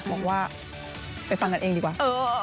บอกว่าไปฟังกันเองดีกว่า